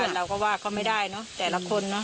เราก็ว่าเขาไม่ได้นะแต่ละคนนะ